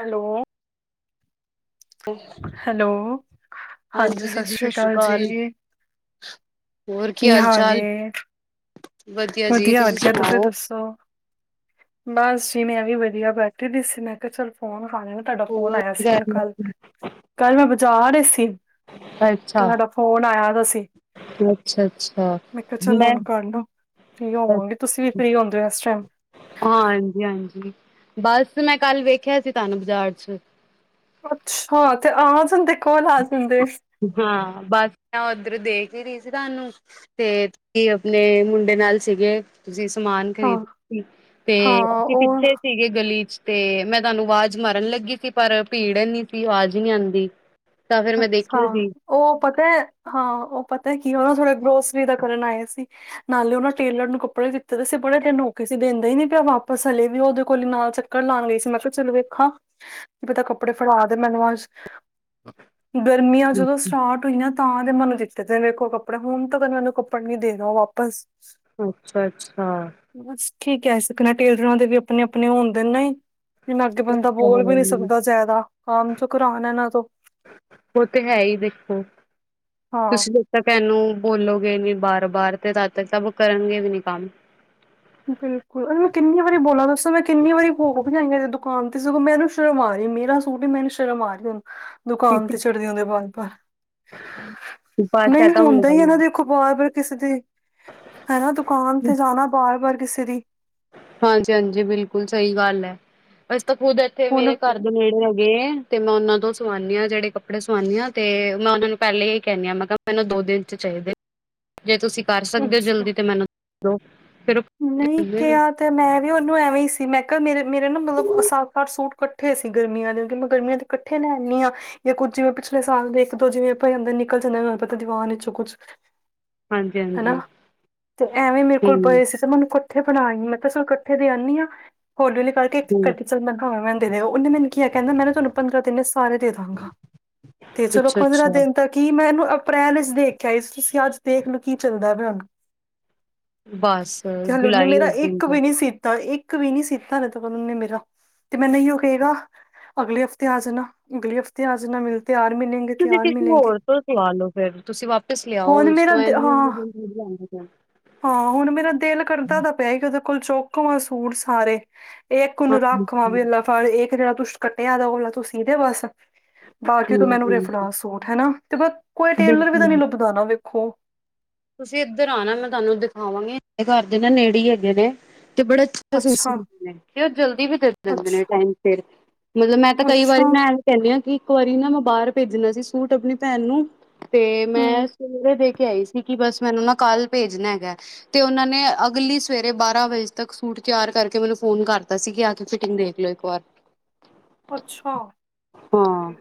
Hello hello ਹਾਂਜੀ ਸਤ ਦੀਦੀ ਸ੍ਰੀ ਸਤਿ ਸ਼੍ਰੀ ਅਕਾਲ ਜੀ ਕੀ ਹਾਲ ਨੇ। ਵਧੀਆ- ਵਧੀਆ ਤੁਸੀਂ ਦੱਸੋ। ਬਸ ਜੀ ਮੈਂ ਵੀ ਵਧੀਆ ਬੈਠੀ ਦੀ ਸੀ ਮੈਂ ਕਿਆ ਚਲ ਫੋਨ ਕਰ ਲ ਤੁਹਾਡਾ ਫੋਨ ਹੋਰ ਆਇਆ ਸੀ ਮੈਨੂੰ ਕੱਲ-ਕੱਲ ਮੈਂ ਬਾਜ਼ਾਰ 'ਚ ਸੀ ਤੇ ਅੱਛਾ ਤੁਹਾਡਾ ਫੋਨ ਆਇਆ ਦਾ ਸੀ ਅੱਛਾ ਅੱਛਾ ਮੈਂ ਕਿਹਾ ਚਲੋ ਹੁਨ ਕਰ ਲਓ। ਫਰੀ ਹੋਵਾਂਗੇ ਤੁਸੀਂ ਵੀ ਫਰੀ ਹੁੰਦੇ ਹੋ ਇਸ ਟਾਈਮ ਹਾਂ ਹਾਂਜੀ-ਹਾਂਜੀ ਬਸ ਮੈਂ ਕੱਲ ਵੇਖਿਆ ਸੀ ਤੁਹਾਨੂੰ ਬਾਜ਼ਾਰ 'ਚ ਅੱਛਾ ਤੇ ਆ ਜਾਂਦੇ ਕੋਲ ਆ ਜਾਂਦੇ। ਹਾਂ ਬਸ ਮੈਂ ਉੱਧਰ ਦੇਖ ਹੀ ਰਈ ਸੀ ਤੁਹਾਨੂੰ ਤੇ ਕੀ ਆਪਣੇ ਮੁੰਡੇ ਨਾਲ ਸੀਗੇ। ਤੁਸੀਂ ਸਮਾਨ ਹਾਂ, ਖ਼ਰੀਦ [unintelligible] ਸੀ ਤੇ ਹਾਂ ਅਸੀਂ ਉਹ ਪਿੱਛੇ ਸੀਗੇ ਗਲੀ 'ਚ ਤੇ ਮੈਂ ਤੁਹਾਨੂੰ ਆਵਾਜ਼ ਮਾਰਨ ਲੱਗੀ ਸੀ ਪਰ ਭੀੜ ਏਨੀ ਸੀ ਆਵਾਜ਼ ਨੀ ਆਂਦੀ। ਅੱਛਾ ਓ ਪਤਾ ਹੈ ਹਾਂ ਓ ਪਤਾ ਹੈ ਕੀ ਉਹਨਾਂ ਥੋੜ੍ਹਾ ਗਰੋਸਰੀ ਦਾ ਕਰਨ ਆਏ ਸੀ। ਨਾਲੇ ਉਹਨਾਂ ਟੇਲਰ ਨੂੰ ਕੱਪੜੇ ਦਿੱਤੇ ਦੇ ਸੀ ਬੜੇ ਦਿਨ ਹੋਗੇ ਸੀ ਦਿੰਦਾ ਹੀ ਨੀ ਪਿਆ ਵਾਪਸ ਹਲੇ ਵੀ ਉਹਦੇ ਕੋਲ ਨਾਲ ਚੱਕਰ ਲਾਣ ਗਈ ਸੀ ਮੈਂ ਕਿਆ ਚਲ ਵੇਖਾਂ ਕੀ ਪਤਾ ਕੱਪੜੇ ਫੜਾ ਦੇ ਮੈਨੂੰ ਅੱਜ ਗਰਮੀਆਂ ਜਦੋਂ ਸਟਾਰਟ ਈ ਤਾਂ ਦੇ ਮੈਨੂੰ ਦਿੱਤੇ ਮੇਰੇ ਕੋਲ ਕੱਪੜੇ ਹੁਣ ਤਾਂ ਕਦੇ ਮੈਨੂੰ ਕੱਪੜ ਨੀ ਦੇਗਾ ਵਾਪਸ ਅੱਛਾ-ਅੱਛਾ ਬਸ ਠੀਕ ਕ ਆ ਸਕਣਾ ਟੇਲਰਾਂ ਦੇ ਵੀ ਆਪਣੇ-ਆਪਣੇ ਹੁੰਦੇ ਨਈ ਇਹਨਾਂ ਅੱਗੇ ਉਹ ਬੰਦਾ ਤੇ ਬੋਲ ਹੈ ਵੀ ਨੀ ਹੀ ਸਕਦਾ ਜਾਦਾ ਕੰਮ 'ਚ ਕਰਾਂਣਾ ਇਹਨਾਂ ਤੋਂ ਓ ਤੇ ਹੈ ਹੀ ਦੇਖੋ ਹਾਂ ਤੁਸੀਂ ਦੇ ਤਾਂ ਕਹਨੂੰ ਬੋਲੋਗੇ ਨੀ ਬਾਰ-ਬਾਰ ਤੇ ਤਦ ਤੱਕ ਸ ਕਰਨਗੇ ਵੀ ਨੀ ਕੰਮ। ਬਿਲਕੁਲ ਅ ਮੈਂ ਕਿੰਨੀ ਵਾਰੀ ਬੋਲਾਂ ਦੱਸੋ ਮੈਂ ਕਿੰਨੀ ਵਾਰੀ ਹੋ ਭਜਾਈਆਂ ਦੁਕਾਨ ਤੇ ਸਗੋਂ ਮੈਂ ਇਹਨੂੰ ਸ਼ ਸ਼ਰਮ ਆਰੀ ਮੇਰਾ ਸੂਟ ਈ ਮੈਨੂੰ ਸ਼ਰਮ ਆਰੀ ਹੁਣ ਦੁਕਾਨ ਤੇ ਚੜ੍ਹਦੀ ਓਂਦੀ ਬਾਰ-ਬਾਰ। ਬਸ ਨਈ ਇਹ ਤਾਂ ਹੁੰਦਾ ਹੀ ਇਹਨਾਂ ਦੇ ਹੈ ਦੇਖੋ ਬਾਰ-ਬਾਰ ਕਿਸੇ ਦੀ, ਹੈਨਾ ਦੁਕਾਨ ਤੇ ਜਾਣਾ ਬਾਰ-ਬਾਰ ਕਿਸੇ ਦੀ। ਹਾਂਜੀ, ਹਾਂਜੀ ਬਿਲਕੁਲ ਸਹੀ ਗੱਲ ਐ, ਅਸੀਂ ਤਾਂ ਖੁਦ ਇੱਥੇ ਹੁਣ ਮੇਰੇ ਘਰ ਦੇ ਨੇੜੇ ਹੈਗੇ ਐ। ਤੇ ਮੈਂ ਉਹਨਾਂ ਤੋਂ ਸਵਾਣੀ ਆਂ ਜਿਹੜੇ ਕੱਪੜੇ ਸਵਾਂਣੀ ਆਂ, ਤੇ ਮੈਂ ਉਹਨਾ ਨੂੰ ਪਹਿਲੇ ਹੀ ਕਹਿਣੀ ਆਂ ਮੈਂ ਕਿਆ ਮੈਂਨੂੰ ਦੋ ਦਿਨ ਚਾਈਦੇ। ਜੇ ਤੁਸੀਂ ਕਰ ਸਕਦੇ ਔ ਹੋ ਜਲਦੀ ਤੇ ਮੈਨੂੰ ਦੋ ਫੇਰ ਓਹ ਨਈ ਕਿਆ ਤੇ ਮੈਂ ਵੀ ਉਹਨੂੰ ਐਵੇਂ ਈ ਸੀ, ਮੈਂ ਕਿਆ ਮੇਰੇ ਮੇਰੇ ਨਾ ਮਤਲਬ ਸੱਤ-ਅੱਠ ਸੂਟ ਕੱਠੇ ਸੀ ਗਰਮੀਆਂ ਦੇ ਤੇ ਮੈਂ ਗਰਮੀਆਂ ਦੇ ਕੱਠੇ ਲੈ ਆਣੀ ਆਂ। ਜਾਂ ਕੁੱਝ ਜਿਵੇਂ ਪਿਛਲੇ ਸਾਲ ਦੇ ਇੱਕ-ਦੋ ਜਿਵੇਂ ਪਏ ਹੂੰਦੇ ਜਾਂ ਨਿਕਲ ਜਾਂਦੇ [unintelligible] ਦੀਵਾਨ ਵਿੱਚ ਕੁੱਝ ਹਨਾ? ਹਾਂਜੀ-ਹਾਂਜੀ ਤੇ ਐਵੇਂ ਮੇਰੇ ਕੋਲ ਪਏ ਹੂੰ-ਹੂੰ ਸੀ। ਤੇ ਮੈਨੂੰ ਕੱਠੇ ਫੜਾਈ ਮੈਂ ਕਯਾ ਚਾਲ ਕੱਠੇ ਦੇ ਆਣੀ ਆਂ। ਹੋਲੀ-ਹੋਲੀ ਕਰਕੇ ਕਠੇ ਚਲ ਮੈਂ ਕਯਾ ਮੈਨੂੰ ਦੇਦੇ ਓਹਨੇ ਮੈਨੂੰ ਕਿਆ, ਮੈਂ ਨਾ ਤੁਹਾਨੂੰ ਪੰਦਰਾਂ ਦਿਣ ਵੇਚ ਸਾਰੇ ਦੇਦਾਂਗਾ। ਹਾਂ, ਤੇ ਚਲੋ ਪੰਦਰਾ ਅੱਛਾ-ਅੱਛਾ ਦਿਨ ਤਾਂ ਕੀ ਮੈਂ ਇਹਨੂੰ ਅਪ੍ਰੈਲ ਵਿਚ ਦੇ ਕੇ ਆਯੀ ਸੀ, ਤੁਸੀਂ ਅੱਜ ਦੇਖ ਲਓ ਕੀ ਚੱਲਦਾ ਪਿਆ ਹੁਣ। ਬਸ ਤੇ ਹਲੇ ਉਹਨੇ ਜੁਲਾਈ ਮੇਰਾ ਹੋ ਇੱਕ ਜਾਊਗਾ, ਵੀ ਨੀ ਸੀ ਤਾਂ ਇੱਕ ਵੀ ਨੀ ਸੀਤਾ ਹਾਲੇ ਤੱਕ ਓਨੇ ਮੇਰਾ ਤੇ ਮੈਨੂੰ ਇਹੀਓ ਕਹੇਗਾ। ਅਗਲੇ ਹਫ਼ਤੇ ਆ ਜਾਣਾ, ਅਗਲੇ ਹਫ਼ਤੇ ਆ ਜਾਣਾ [unintelligible] ਤਿਆਰ ਮਿਲੇਗੇ। ਤੁਸੀਂ ਕਿਸੇ ਹੋਰ ਤੋਂ ਸੁਆ ਲਓ ਫੇਰ ਤੁਸੀਂ ਵਾਪਿਸ ਲਿਆਓ ਹੁਣ ਉਸ ਮੇਰਾ ਤੋ ਇਹਨੂੰ [unintelligible] ਹਾਂ ਥੋੜੀ ਲੈਨੇ ਪਏ ਆ। ਹਾਂ ਹੁਣ ਮੇਰਾ ਦਿਲ ਕਰਦਾ ਤਾਂ ਪਿਆ, ਕਿ ਉਹਦੇ ਕੋਲ ਚੌਕ ਆਵਾ ਸੂਟ ਸਾਰੇ। ਇਹ ਉਹਨੂੰ ਰੱਖ ਵਾਂ ਵੀ ਹਾਂਜੀ, ਐਲਾ ਫੜ ਇੱਕ ਜਿਹੜਾ ਤੁਸੀਂ ਕੱਟਿਆ ਦਾ ਉਹਲਾ ਤੂੰਂ ਸੀ ਦੇ ਬਸ। ਬਾਕੀ ਤੋਂ ਮੈਨੂੰ ਊਰੇ ਫੜਾ ਸੂਟ ਹਨਾ, ਤੇ ਕੋਈ ਟੇਲਰ ਵੀ ਤਾਂ ਨਈਂ ਬਿਲਕੁਲ ਲੱਭਦਾ ਨਾ ਵੇਖੋ। ਤੁਸੀਂ ਇੱਧਰ ਆਣਾ ਮੈਂ ਤੁਹਾਨੂੰ ਦਿਖਾਵਾਂਗੀ ਘਰ ਦੇ ਨਾ ਨੇੜੇ ਈ ਹੈਗੇ ਨੇ ਤੇ ਬੜੇ ਬੜੇ ਸੋਹਣੇ ਸੂਟ ਅੱਛਾ ਸੀਂਦੇ ਨੇ ਫੇਰ ਜਲਦੀ ਵੀ ਦੇ ਦਿੰਦੇ ਨੇ ਅੱਛਾ ਟਾਈਮ ਅ ਸਿਰ ਮਤਲਬ ਮੈਂ ਤਾਂ ਕਈ ਅੱਛਾ ਵਾਰੀ ਨਾ ਐਵੇ ਕਹਿਣੀ ਆ ਕਿ ਇੱਕ ਵਾਰੀ ਨਾ ਮੈਂ ਬਾਹਰ ਭੇਜਣੇ ਸੀ ਸੂਟ ਆਪਣੀ ਭੈਣ ਨੂੰ ਤੇ ਮੈਂ ਹੂੰ ਸਵੇਰੇ ਦੇ ਕੇ ਆਈ ਸੀ, ਕਿ ਬਸ ਮੈਨੂੰ ਨਾ ਕੱਲ੍ਹ ਭੇਜਣਾ ਹੈਗਾ। ਤੇ ਉਹਨਾਂ ਨੇ ਅਗਲੀ ਸਵੇਰੇ ਬਾਰਾਂ ਵਜੇ ਤੱਕ ਸੂਟ ਤਿਆਰ ਕਰਕੇ ਮੈਨੂੰ ਫੋਨ ਕਰਤਾ ਸੀ, ਕਿ ਆ ਕੇ ਫਿਟਿੰਗ ਦੇਖ ਲਓ। ਕਵਾਰ ਅੱਛਾ ਹਾਂ,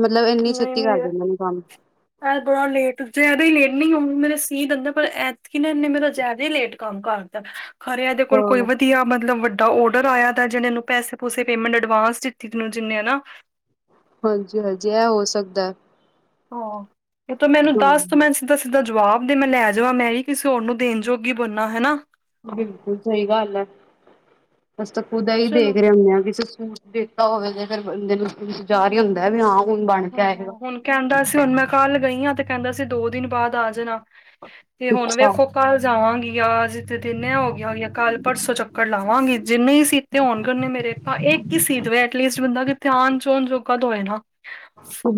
ਮਤਲਬ ਏਨੀ ਨਹੀਂ ਛੇਤੀ ਕਰ ਮੇਰੇ ਦੇਂਦੇ ਨੇ ਕੰਮ। ਬੜਾ ਲੇਟ ਜਿਆਦਾ ਹੀ ਲੇਟ ਨਹੀਂ ਔ ਮੇਰੇ ਸੀ ਦਿੰਦਾ ਪਰ ਏਤਕੀ ਨਾ ਇਨੇ ਮੇਰਾ ਜ਼ਿਆਦਾ ਹੀ ਲੇਟ ਕੰਮ ਕਰਤਾ ਖਰੇ ਐਦੇ ਕੋਲ ਕੋਈ ਹਾਂ ਵਧੀਆ ਮਤਲਬ ਵੱ ਦਾ ਓਡਰ ਆਇਆ ਤਾ ਜਿਨ ਏਨੂੰ ਪੈਸੇ-ਪੂਸੇ ਪੇਮੈਂਟ ਅਡਵਾਂਸ ਦਿਤੀ ਜਿੰਨੇ ਹਨਾ। ਹਾਂਜੀ, ਹਾਂਜੀ ਇਹ ਹੋ ਸਕਦਾ। ਹਾਂ, ਇਹ ਤਾਂ ਮੈਨੂੰ ਹਾਂ ਦੱਸ ਤ ਮੈਂ ਦਸ ਸਿਦਾ ਜਵਾਬ ਦੇ ਮੈਂ ਲੈ ਜਾਵਾਂ ਮੈਂ ਈ ਕਿਸੇ ਹੋਰ ਨੂੰ ਦੇਣ ਜੋੋਗੀ ਬਨਾਂ ਹੈਨਾ। ਬਿਲਕੁਲ ਸਹੀ ਗੱਲ ਐ, ਅਸੀਂ ਤਾਂ ਖੁਦ ਏਹੀ ਚਲੋ ਦੇਖ ਰਹੇ ਹੁੰਣੇ ਆਂ ਕਿ ਸੱਸ ਦੇਤਾ ਹੋਵੇ ਤੇ ਫੇਰ ਬੰਦੇ ਨੂੰ ਜਾਰ ਹੀ ਹੁੰਦਾ ਵੀ ਹਾਂ ਹੁਣ ਬਣ ਕੇ ਹਾਂ, ਆਏਗਾ। ਹੁਣ ਕਹਿੰਦਾ ਸੀ ਹੁਣ ਮੈਂ ਕੱਲ ਗਈਆਂ ਤੇ ਕਹਿੰਦਾ ਸੀ, ਦੋ ਦਿਨ ਬਾਅਦ ਆ ਜਾਣਾ ਤੇ ਹੁਣ ਅੱਛਾ ਵੇਖੋ ਕੱਲ ਜਾਵਾਂਗੀ ਆ ਜਿੱਥ ਦਿਨ ਹੋ ਗਿਆ ਹੋ ਆ, ਕੱਲ੍ਹ ਪਰਸੋਂ ਚੱਕਰ ਲਾਵਾਂਗੀ ਜੇ ਨ੍ਹੀਂ ਸੀ ਤੇ ਆਉਣ ਕਰਨੇ ਮੇਰੇ ਭ ਇੱਕ ਹੀ ਸੀ ਦਵੇ, ਐਟਲੀਸਟ ਬੰਦਾ ਕਿਥੇ ਆਨ ਜੋਣ ਜੋਗਾ ਤੋਂ ਹੋਏ ਨਾ।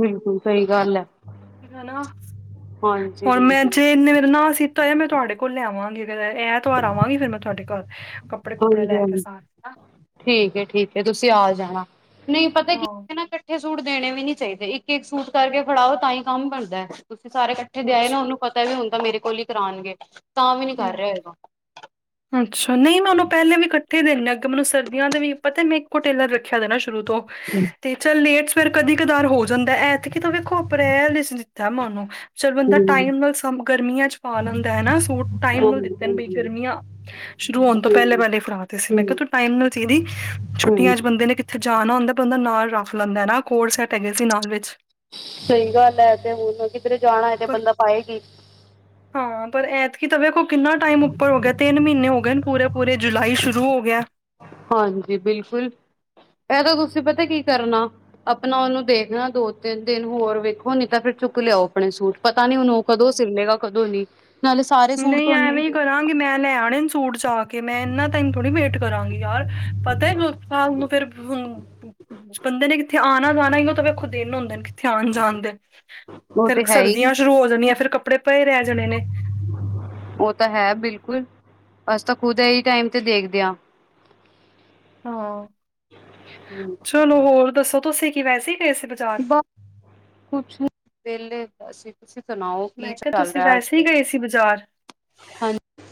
ਬਿਲਕੁਲ ਸਹੀ ਗੱਲ ਐ। ਹਨਾ, ਹੁਣ ਮੈਂ ਹਾਂਜੀ ਜੇ ਇਨੇ ਮੇਰਾ ਨਾਂ ਸੀਤਾ ਹੋਇਆ ਮੈਂ ਤੁਹਾਡੇ ਕੋਲ ਲਿਆਵਾਂਗੀ। ਐਤਵਾਰ ਆਵਾਂਗੀ ਫੇਰ ਮੈਂ ਤੁਹਾਡੇ ਘਰ। ਕੱਪੜੇ ਕੁਪੜੇ ਹਾਂਜੀ, ਲੈ ਕੇ ਹਾਂਜੀ ਸਾਰੇ ਠੀਕ ਹੈ, ਠੀਕ ਹੈ ਤੁਸੀਂ ਆ ਜਾਣਾ। ਨਹੀਂ ਪਤਾ ਕੀ ਹਾਂ ਇਕੱਠੇ ਇਕੱਠੇ ਸੂਟ ਦੇਣੇ ਵੀ ਨੀ ਚਾਹੀਦੇ, ਇੱਕ -ਇੱਕ ਸੂਟ ਕਰਕੇ ਫੜਾਓ ਤਾਂ ਹੀ ਕੰਮ ਬਣਦਾ, ਤੁਸੀਂ ਸਾਰੇ ਇਕੱਠੇ ਦੇ ਆਏ ਅੱਛਾ ਨਾ ਉਹਨੂੰ। ਪਤਾ ਵੀ ਹੁਣ ਮੇਰੇ ਕੋਲ ਹੀ ਕਰਾਉਣਗੇ। ਤਾਂ ਵੀ ਨੀ ਕਰ ਰਿਹਾ ਹੂੰ। ਹੈਗਾ ਅੱਛਾ। ਨਹੀਂ ਮੈਂ ਉਹਨੂੰ ਪਹਿਲੇ ਵੀ ਇਕੱਠੇ ਦੇਨੀ ਆ, ਅੱਗੇ ਮੈਨੂੰ ਸਰਦੀਆਂ ਦੇ ਵੀ ਪਤਾ ਮੈਂ ਇਕੋ ਟੇਲਰ ਰੱਖਿਆ ਦੇ ਨਾ ਸ਼ੁਰੂ ਤੋਂ [inaudible] ਤੇ ਚੱਲ ਲੇਟ ਸਵੇਰ ਕਦੀ ਕਦਾਰ ਹੋ ਜਾਂਦਾ, ਐਤਕਿ ਤਾ ਵੇਖੋ ਅਪ੍ਰੈਲ ਵਿੱਚ ਦਿੱਤਾ ਮੈਂ ਉਹਨੂੰ ਚਲ ਬੰਦਾ ਟਾਈਮ ਨਾਲ ਗਰਮੀਆਂ ਚ ਪਾ ਲੈਂਦਾ ਹੈਨਾ ਸੂਟ ਟਾਈਮ ਨਾਲ ਦਿੱਤੇ ਨੇ ਬਈ ਗਰਮੀਆਂ ਸ਼ੁਰੂ ਹੋਣ ਤੋਂ ਪਹਿਲੇ, ਪਹਿਲੇ ਫੜਾ ਤੇ ਸੀ, ਮੈਂ ਕਿਹਾ ਤੂੰ ਟਾਈਮ ਨਾਲ ਚਾਹੀਦੀ ਛੁੱਟੀਆਂ ਚ ਬੰ ਬਦੇ ਨੇ ਕਿੱਥੇ ਜਾਣਾ ਹੁੰਦਾ ਪਰ ਬੰਦਾ ਉਹ ਨਾਲ ਰਖ ਲੈਂਦਾ ਨਾ ਕੋਟ ਸੈੱਟ ਹੈਗੇ ਸੀ ਨਾਲ ਵਿਚ- ਸਹੀ ਗੱਲ ਹੈ ਤੇ ਹੁਣ ਕਿਧਰੇ ਜਾਣਾ ਹੈ। ਤੇ ਪਰ ਬੰਦਾ ਪਾਏ ਕੀ- ਹਾਂ ਪਰ ਐਤਕੀ ਤਾਂ ਵੇਖੋ ਕਿੰਨਾ ਟਾਈਮ ਉਪਰ ਹੋ ਗਿਆ ਤਿੰਨ ਮਹੀਨੇ ਹੋ ਗਏ ਪੂਰੇ- ਪੂਰੇ ਜੁਲਾਈ ਸ਼ੁਰੂ ਹੋ ਗਿਆ। ਹਾਂਜੀ ਬਿਲਕੁਲ ਇਹ ਤੇ ਤੁਸੀਂ ਪਤਾ ਕੀ ਕਰਨਾ- ਆਪਣਾ ਉਹਨੂੰ ਦੇਖਣਾ ਦੋ ਤਿੰਨ ਦਿਨ ਹੋਰ ਵੇਖੋ ਨੀ ਤਾਂ ਫਿਰ ਚੁੱਕ ਲਿਆਓ- ਆਪਣੇ ਸੂਟ ਪਤਾ ਨੀ ਉਹਨੂੰ ਕਦੋਂ ਸਿਲੇਗਾ ਕਦੋਂ ਨੀ ਨਾਲੇ- ਸਾਰੇ ਸੂਟ ਨਹੀਂ ਧੋਨੇ ਐਵੇ ਹੀ ਕਰਾਂਗੇ ਮੈ ਲੈ ਆਣੇ ਸੂਟ ਜਾ ਕੇ ਮੈਂ ਇਹਨਾ ਟਾਈਮ ਥੋੜੀ ਵੇਟ ਕਰਾਂਗੀ ਯਾਰ- ਪਤਾ ਹੈ। ਸਾਲ ਨੂੰ ਫਿਰ ਬੰਦੇ ਨੇ ਕਿਥੇ ਆਉਣਾ ਜਾਣਾ ਹੀ ਉਹ ਤਾਂ ਵੇਖਦੇ ਹੁੰਦੇ ਨੇ- ਆਣ ਜਾਣ ਦੇ ਉਹ ਫਿਰ ਤੇ ਹੈ ਹੀ ਸਰਦੀਆਂ ਸ਼ੁਰੂ ਹੋ ਜਾਣੀਆਂ ਫਿਰ ਕੱਪੜੇ ਭਏ ਰਹਿ ਜਾਣੇ ਨੇ- ਉਹ ਤਾਂ ਹੈ ਬਿਲਕੁਲ ਅਸੀਂ ਤਾਂ ਖੁਦ ਇਹੀ ਟਾਈਮ ਤੇ ਦੇਖਦੇ ਹਾਂ। ਹਾਂ ਚਲੋ ਹੋਰ ਦੱਸੋ ਤੁਸੀਂ ਕਿ ਵੈਸੇ ਗਏ ਸੀ। ਬਾਜ਼ਾਰ ਬਸ ਕੁਛ ਵਿਹਲੇ ਅਸੀਂ। ਤੁਸੀਂ ਸੁਣਾਓ ਕੀ ਮੈਂ ਕਿਹਾ ਚੱਲ ਤੁਸੀਂ ਰਿਹਾ ਅੱਜ ਵੈਸੇ ਹੀ ਕੱਲ ਗਏ ਸੀ ਬਾਜ਼ਾਰ ਹਾਂਜੀ-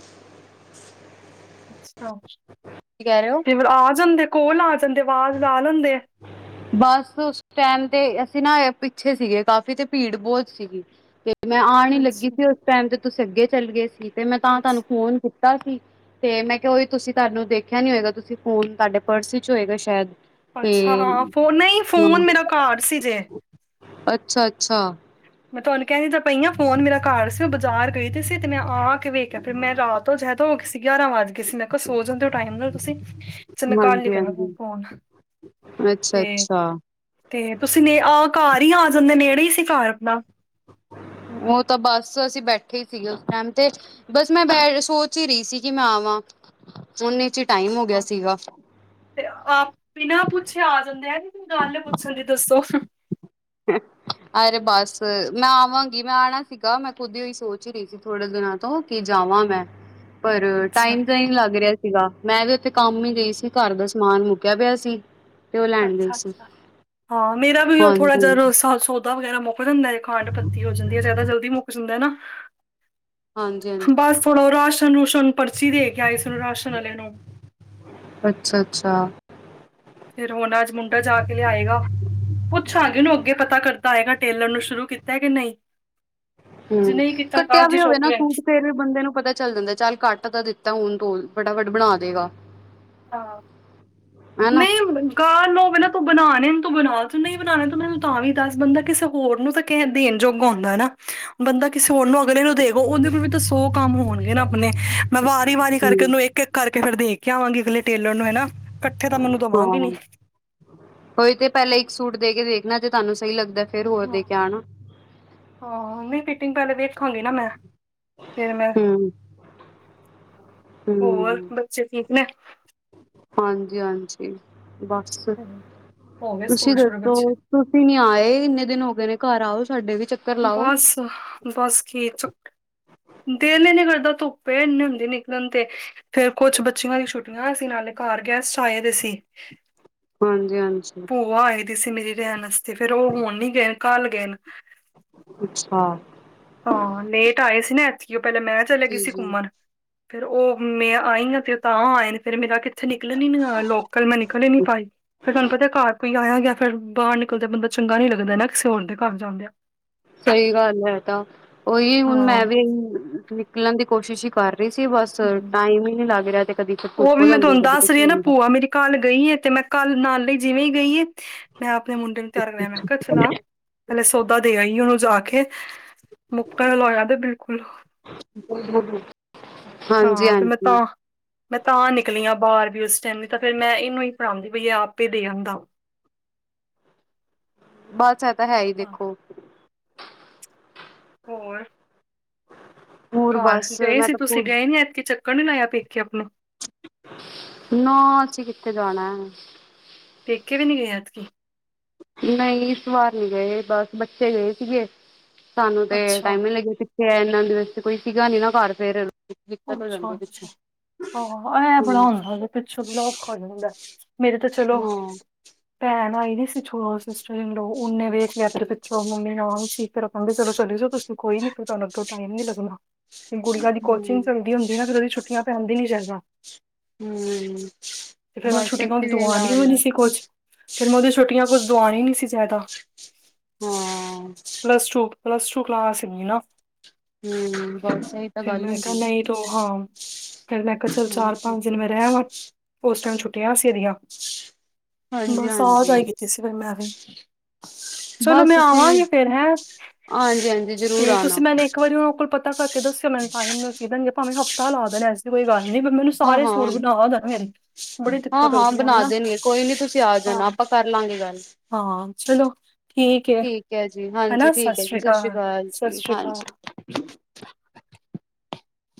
[unintelligible] ਕੀ ਕਹਿ ਰਹੇ ਹੋ ਕਈ ਵਾਰ ਆ ਜਾਦੇ- ਕੋਲ ਆ ਜਾਦੇ ਵਾਲ ਉੜਾ ਲੈਂਦੇ ਆ। ਬਸ- ਟਾਈਮ ਤੇ ਅਸੀਂ ਨਾ ਪਿੱਛੇ ਸੀਗੇ ਕਾਫੀ ਤੇ ਭੀੜ ਬਹੁਤ ਸੀਗੀ ਤੇ- ਤੇ ਮੈ ਆਉਣ ਨ ਲੱਗੀ ਅੱਛਾ ਸੀ ਉਸ ਟਾਈਮ ਤੇ ਤੁਸੀਂ ਅੱਗੇ ਚਲੇ ਗਏ ਸੀ ਤੇ ਮੈਂ ਤਾਂ ਤੁਹਾਨੂੰ ਅੱਛਾ ਫੋਨ ਕੀਤਾ ਸੀ ਤੇ ਮੈ ਓਹੀ ਤੁਸੀਂ ਤੁਹਾਨੂੰ ਦੇਖਿਆ ਨੀ ਹੋਏਗਾ ਤੁਸੀਂ ਫੋਨ ਤੁਹਾਡੇ ਪਰਸ 'ਚ ਹੋਏਗਾ। ਸ਼ਾਇਦ ਤੇ ਅੱਛਾ ਹਾਂ ਫੋਨ ਨਹੀ ਫੋਨ ਮੇਰਾ ਘਰ ਸੀ ਜੇ- ਅੱਛਾ- ਅੱਛਾ। ਮੈ ਤੁਹਾਨੂੰ ਕਿਹਾਦੀ ਪਹਿਆਂ ਫੋਨ ਮੇਰਾ ਘਰ ਸੀ ਮੈਂ ਬਾਜ਼ਾਰ ਗਈ ਸੀ ਤੇ ਮੈ ਆ ਕੇ ਵੇਖਿਆ ਫਿਰ ਮੈ ਰਾਤ- ਜਦਾਂ ਹੋ ਗਏ ਸੀ ਔਰ ਉਹ ਗਿਆਰਾਂ ਵਾਜ ਵੱਜ ਗਏ ਸੀ ਮੈ ਕਿਹਾ ਸੋ ਜਾਦੇ ਹੋ- ਟਾਈਮ ਨਾਲ ਤੁਸੀਂ ਚਲੋ ਕੱਲ ਹੀ ਕਰਾਂਗੀ ਹਾਂਜੀ-ਹਾਂਜੀ। ਫੋਨ ਤੇ- ਅੱਛਾ-ਅੱਛਾ ਤੇ ਤੁਸੀਂ ਨੇ ਆਹ ਘਰ ਹੀ ਆ ਜਾਦੇ ਨੇੜੇ ਹੀ ਸੀ ਘਰ ਆਪਣਾ- ਉਹ ਤਾਂ ਬਸ ਅਸੀਂ ਬੈਠੇ ਹੀ ਸੀਗੇ ਉਸ ਟਾਈਮ ਤੇ- ਬਸ ਮੈ ਸੋਚ ਹੀ ਰਹੀ ਸੀ ਕਿ ਮੈ ਆਵਾ ਉਹਨੇ 'ਚ ਹੀ ਟਾਈਮ ਹੋ ਗਿਆ ਸੀਗਾ। ਤੇ ਆਪ ਬਿਨਾ ਪੁੱਛੇ ਆ ਜਾਦੇ ਆ ਨੀ ਕੋਈ ਗੱਲ ਪੁੱਛਣ ਦੀ ਦੱਸੋ- [unintelligible] ਅਰੇ ਬਸ ਮੈ ਆਵਾਂਗੀ ਮੈਂ ਆਉਣਾ ਸੀਗਾ ਮੈਂ ਖੁਦ ਹੀ ਸੋਚ ਰਹੀ ਸੀ ਥੋੜੇ ਦਿਨਾ ਤੋਂ ਕਿ ਜਾਵਾ ਮੈਂ- [inaudible] ਪਰ ਅੱਛਾ ਟਾਈਮ ਤਾਂ ਹੀ ਨਹੀ ਲੱਗ ਰਿਹਾ ਸੀਗਾ ਮੈ ਵੀ ਉਥੇ ਕੰਮ ਹੀ ਗਈ ਸੀ ਘਰ ਦਾ ਸਮਾਨ ਮੁੱਕਿਆ ਪਿਆ ਸੀ। ਤੇ ਉਹ ਲੈਣ ਗਈ ਅੱਛਾ- ਸੀ ਅੱਛਾ ਹਾਂ ਮੇਰਾ ਵੀ ਹਾਂਜੀ ਥੋੜਾ- ਜਦੋਂ ਸੌਦਾ ਵਗੈਰਾ ਮੁੱਕ ਜਾਂਦਾ ਹੈ ਖਾਡ ਪੱਤੀ ਹੋ ਜਾਂਦੀ ਹੈ। ਜਿਆਦਾ ਜਲਦੀ ਮੁੱਕ ਜਾਂਦਾ ਨਾ- ਹਾਂਜੀ ਹਾਂਜੀ ਬਸ ਥੋੜਾ ਰਾਸ਼ਨ ਰੁਸ਼ਨ ਪਰਚੀ ਦੇ ਕੇ ਆਈ ਸਾ ਰਾਸ਼ਨ ਵਾਲਿਆਂ ਨੂੰ- ਅਛਾ ਅਛਾ ਫੇਿਰ ਹੁਣ ਅੱਜ ਮੁੰਡਾ ਜਾ ਕੇ ਲਿਆਏਗਾ। ਪੁੱਛਾਂਗੀਨੂੰ ਅੱਗੇ ਪਤਾ ਕਿਤਾ ਹੈਏਗਾ ਟੇਲਰ ਨੂੰ ਸ਼ੁਰੂ ਕੀਤਾ ਕਿ ਨਹੀ- ਹੂੰ ਕੱਟਿਆ ਜੇ ਵੀ ਹੋਵੇ ਚੁੱਕ ਨਾ ਲਿਆ ਸੂਟ ਫੇਰ ਵੀ ਬੰਦੇ ਨੂੰ ਪਤਾ- ਚੱਲ ਜਾਦਾ ਚੱਲ ਘੱਟ ਤਾਂ ਦਿੱਤਾ ਹੁਣ ਤੋ ਫਟਾਫਟ ਬਣਾ ਦੇਗਾ। ਆਹ ਹਨਾ ਨਹੀ ਗਾਹਕ ਨੂੰ ਤੂੰ ਬਣਾਣੇ ਤੂੰ ਬਣਾ ਤੂੰ ਨਹੀ ਬਣਾਣੇ ਤੇ ਮੈਨੂੰ ਤਾਂ ਵੀ ਦੱਸ ਬੰਦਾ ਕਿਸੇ ਹੋਰ ਨੂੰ ਤਾਂ ਕਹਿ ਦੇਣ ਜੋੋਗ ਹੋਨਦਾ ਨਾ ਬੰਦਾ ਕਿਸੇ ਹੋਰ ਨੂੰ ਅਗਲੇ ਨੂੰ ਦੇਗੋ ਉਹਦੇ ਕੋਲ ਵੀ ਤਾਂ ਸੌ ਕਮ ਹੋਣਗੇ ਨਾ ਆਪਣੇ- ਮੈਂ ਵਾਰੀ ਵਾਰੀ ਕਰਕੇ ਹਮ ਉਹਨੂੰ ਇਕ ਇਕ ਕਰਕੇ ਫੇਰ ਦੇ ਕੇ ਆਵਾਂਗੀ। ਅਗਲੇ ਟੇਲਰ ਨੂੰ ਹੈ ਨਾ ਇਕੱਠੇ ਤਾਂ ਮੈਨੂੰ ਦੇਵਾਂਗੇ ਨੀ ਓਹੀ ਤੇ ਪਹਿਲਾਂ ਇਕ ਸੂਟ ਦੇ ਕੇ ਦੇਖਣਾ ਜੇ ਤੁਹਾਨੂੰ ਸਹੀ ਲੱਗਦਾ ਫੇਰ ਹੋਰ ਹਾਂ ਦੇ ਕੇ ਆਣਾ। ਹਾਂ ਨਹੀ ਫਿਟਿੰਗ ਪਹਿਲੇ ਵੇਖਾਂਗੀ ਨਾ ਮੈ ਫਿਰ ਮੈ ਹਮ ਹੋਰ ਹਮ ਬੱਚੇ ਠੀਕ ਨੇ ਹਾਂਜੀ ਹਾਂਜੀ ਬਸ ਹੂੰ ਹੋ ਗਏ ਤੁਸੀਂ ਸਕੂਲ ਸ਼ੁਰੂ ਦੱਸੋ ਬੱਚੇ ਤੁਸੀਂ ਨੀ ਆਏ, ਇੰਨੇ ਦਿਨ ਹੋ ਗਏ ਨੇ ਘਰ ਆਓ, ਸਾਡੇ ਵੀ ਚੱ ਬੱਸ ਬਸ ਕੀ ਚੱ ਦਿਲ ਈਨੀ ਕਰਦਾ, ਧੁੱਪੇ ਐ ਇੰਨੇ ਹੁੰਦੀ ਨਿਕਲਣ ਤੇ। ਫੇਰ ਕੁਛ ਬੱਚਿਆਂ ਦੀ ਛੁੱਟੀਆਂ ਸੀ, ਨਾਲੇ ਘਰ ਗੈਸਟ ਆਏ ਦੇ ਸੀ। ਹਾਂਜੀ-ਹਾਂਜੀ। ਭੂਆ ਆਏ ਦੇ ਸੀ ਮੇਰੀ ਰਹਿਣ ਆਸਤੇ, ਫੇਰ ਉਹ ਹੁਣ ਨੀ ਗਏ ਕੱਲ ਗਏ ਨੇ। ਅੱਛਾ। ਹਾਂ, ਲੇਟ ਆਏ ਸੀ ਨਾ ਐਤਕੀ ਉਹ, ਪਹਿਲਾਂ ਮੈਂ ਚਲੇ ਗਏ ਸੀ ਜੀ-ਜੀ, ਘੁੰਮਣ। ਫਿਰ ਉਹ ਮੈਂ ਆਈ ਆ ਤੇ ਤਾਂ ਆਏ ਨੇ, ਫੇਰ ਮੇਰਾ ਕਿ ਥੇ ਨਿਕਲਣ ਹੀ ਨੀ ਹੋਇਆ, ਲੋਕਲ ਮੈਂ ਨਿਕਲ ਹੀ ਨੀ ਪਾਈ, ਫਿਰ ਤੁਹਾਨੂੰ ਪਤਾ ਘਰ ਰ ਕੋਈ ਆਇਆ ਗਿਆ, ਫੇਰ ਬਾਹਰ ਨਿਕਲਦੇ ਬੰਦਾ ਚੰਗਾ ਨੀ ਲੱਗਦਾ ਨਾ, ਕਿਸੇ ਹੋਰ ਦੇ ਘਰ ਜਾਂਦੇ ਆ। ਸਹੀ ਗੱਲ ਐ ਇਹ ਤਾਂ, ਉਹੀ ਹੁਣ ਮੈਂ ਹਾਂ ਵੀ ਈ ਨਿਕਲਣ ਦੀ ਕੋਸ਼ਿਸ਼ ਹੀ ਕਰ ਰਹੀ ਸੀ, ਬਸ ਹਮ। ਟਾਈਮ ਹੀ ਨੀ ਲੱਗ ਰਿਹਾ ਤੇ ਕਦੀ ਉਹ ਧੂਪ ਹੋ ਵੀ ਮੈਂ ਜਾਂਦਾ ਤੁਹਾਨੂੰ ਤੇ ਕਦੀ ਦੱਸ ਕੁਛ ਰਹੀ ਹੋ ਹਾਂ ਨਾ ਜਾਂਦਾ। ਭੂਆ ਮੇਰੀ ਕੱਲ ਗਈ ਐ ਤੇ ਮੈਂ ਕੱਲ ਨਾਲ ਲਈ ਜਿਵੇਂ ਹੀ ਗਈ ਐ ਮੈਂ ਆਪਣੇ ਮੁੰਡੇ ਨੂੰ ਤਿਆਰ ਕਰਾਇਆ, ਮੈਂ ਕਿਹਾ ਚਲਾ। ਪਹਿਲੇ ਸੌਦਾ ਦੇ ਆਈ ਉਹਨੂੰ ਜਾ ਕੇ, ਮੁੱਕਣ ਆਲਾ ਹੋਇਆ ਪਿਆ, ਬਿਲਕੁਲ। ਹਾਂਜੀ ਹਾਂ ਫਿਰ ਮੈਂ ਹਾਂਜੀ। ਤਾਂ ਮੈਂ ਤਾਂ ਨਿਕਲੀ ਆ ਬਾਹਰ, ਵੀ ਉਸ ਟਾਈਮ ਨਈ ਤਾਂ ਫੇਰ ਮੈਂ ਇਹਨੂੰ ਹੀ ਫੜਾਉਂਦੀ ਪਾਈ ਆ, ਆਪੇ ਦੇ ਆਦਾ। ਬਸ ਇਹ ਤਾ ਹੈ ਹੀ ਹਾਂ, ਦੇਖੋਂ। ਹੋਰ? ਹੋਰ ਘਰ ਬਸ ਗਏ ਮੈਂ ਸੀ ਤਾਂ ਤੁਸੀਂ, ਖੁਦ ਗਏ ਨੀ ਐਤਕੀ, ਚੱਕਰ ਨੀ ਲਾਇਆ ਪੇਕੇ ਆਪਣਾ? ਨਾ ਅਸੀਂ ਕਿੱਥੇ ਜਾਣਾ ਐ। ਪੇਕੇ ਵੀ ਨੀ ਗਏ ਐਤਕੀ। ਨਈ ਇਸ ਵਾਰ ਨੀ ਗਏ, ਬਸ ਬੱਚੇ ਗਏ ਸੀਗੇ, ਸਾਨੂੰ ਤੇ ਅੱਛਾ ਟਾਈਮ ਨੀ ਲੱਗਿਆ ਸੀ। ਇਹਨਾਂ ਦਿ ਵਸਤੇ ਕੋਈ ਸੀਗਾ ਨੀ ਨਾ ਘਰ, ਫੇਰ ਦਿੱਕਤ ਹੋ ਜਾਂਦੀ ਪਿੱਛੇ। ਆਹ ਐਹਂ ਬੜਾ ਹੁੰਦਾ ਪਿੱਛੋਂ ਔਖਾ ਹੋ ਜਾਂਦੇ ਐ, ਮੇਰੇ ਤੇ ਚਲੋਂ। ਹਾਂ ਭੈਣ ਆਈ ਵੀ ਸੀ ਛੋ, ਸਿਸਟਰ ਇਨਲੌ ਉਹਨੇ ਵੇਖ ਲਿਆ ਫੇ ਪਿੱਛੋਂ, ਮੰਮੀ ਨਾਲ ਸੀ ਫਿਰ ਆਪਾ ਨੂੰ ਕਹਿੰਦੇ ਚਲੋਂ ਚਲੈ ਜਾਉ ਤੁ ਕੋਈ ਨੀ ਫਿਰ ਤੁਹਾਨੂੰ ਅੱਗੋ ਟਾਈਮ ਨੀ ਲੱਗਨਾ, ਗੜੀਆਂ ਦੀ ਕੋ ਹੂੰ ਲੱਗੀ ਹੁੰਦੀ ਨਾ, ਫਿਰ ਉਹਦੀ ਛੱਟੀਆਂ ਪੈਦੀ ਨੀ ਜ ਗਾ। ਹੂੰ ਤੇ ਫੇਰ ਮੈਂ ਬਸ ਛੁੱਟੀ ਨਾ ਇੱਥੇ ਹੁੰਦੀ, ਵੀ ਤੂੰ ਇਹੀ ਆਣੀ ਹੋਈਣੀ ਉਹ ਹਾਲ ਨੀ ਹੈ ਸੀ ਕੁਛ ਫਿਰ ਮੈਂ ਉਹਦੀਆਂ ਛੋਟੀਆਂ ਕੁਝ ਦਵਾਉਣ ਹੀ ਨੀ ਸੀ ਜ਼ਿਆਦਾ, ਹਾਂ plus two plus two class ਹੇ ਗੀ ਨਾ। ਹੂੰ, ਬਸ ਇਹੀ ਤਾਂ ਗੱਲ ਹੁੰ ਕਾ ਨਈ ਤੂੰ ਹਾਂ, ਫੇਰ ਮੈਂ ਕਿਹਾ ਚਲ ਹਾਂਜੀ ਚਾਰ ਪੰਜ ਦਿਨ ਮੈਂ ਰਹਿ ਵਾ ਉਸ ਟਾਈਮ ਛੁੱਟੀਆਂ ਸੀ ਇਹਦੀਆਂ। ਹਾਂਜੀ ਬਸ ਆ ਹਾਂਜੀ ਜਾਈ ਕੀਤੀ ਸੀ ਫੇਰ ਮੈਂ ਵੀ। ਚਲੋ ਮੈਂ ਬਸ ਅਸੀਂ ਆਵਾਂਗੀ ਫੇਰ ਹੈਂ, ਹਾਂਜੀ ਹਾਂਜੀ ਜ਼ਰੂਰ ਤੇ ਆਣਾ ਤੁਸੀਂ ਨਾ ਇੱਕ ਵਾਰੀ ਉਹਨਾਂ ਕੋਲ ਪਤਾ ਕਰ ਕੇ ਦੱਸਿਓ [unintelligible] ਟਾਈਮ ਨਾਲ ਸੀ ਦੇਣਗੇ, ਭਾਵੇਂ ਹਫ਼ਤਾ ਲਾ ਦੇਣਾ ਇਸ ਕੋਈ ਗੱਲ ਨੀ, ਪਰ ਮੈਨੂੰ ਹਾਂ ਸਾਰੇ ਹਾਂ ਸੂੂਰ ਬਣਾ ਦਨ ਮੇਰੇ। ਬੜੀ ਹਾਂ ਦਿੱਕਤ ਹੋਈ ਹਾਂ ਪਈ ਮੈਨੂੰ ਬਣਾ ਨਾ ਦੇਣਗੇ, ਕੋਈ ਨੀ ਤੁਸੀਂ ਆ ਹਾਂ ਜਾਣਾ ਆਪਾਂ ਕਰ ਲਾਗੇ ਗੱਲ। ਹਾਂ ਚਲੋ ਹੈ ਠੀਕ ਐ ਜੀ, ਹਾਂਜੀ ਹਨਾ ਠੀਕ ਐ ਜੀ, ਸਤਿ ਸ਼੍ਰੀ ਅਕਾਲ ਸਤਿ ਜੀ, ਸ਼੍ਰੀ ਅਕਾਲ ਹਾਂਜੀ। [inaudible]